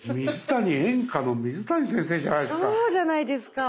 演歌の水谷先生じゃないですか。